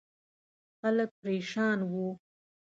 خلک پرېشان وو.